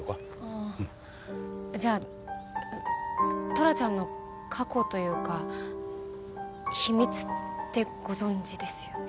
じゃあトラちゃんの過去というか秘密ってご存じですよね？